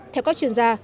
theo các chuyên gia